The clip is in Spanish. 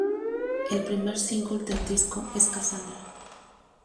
El primer single del disco es "Casandra".